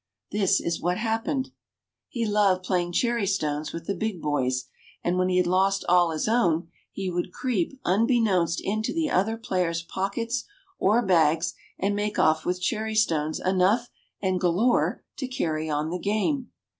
This is what happened. He loved playing cherry stones with the big boys, and when TRUE HISTORY OF SIR THOMAS THUMB 207 he had lost all his own he would creep unbeknownst into the other players' pockets or bags, and make off with cherry stones enough and galore to carry on the game